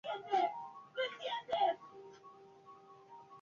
El orden parecía haberse restaurado, y Francia retiró a sus tropas del país.